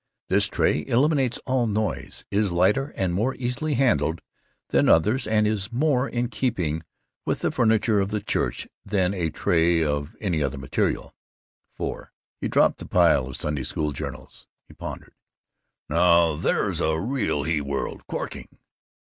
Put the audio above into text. This tray eliminates all noise, is lighter and more easily handled than others and is more in keeping with the furniture of the church than a tray of any other material." IV He dropped the pile of Sunday School journals. He pondered, "Now, there's a real he world. Corking!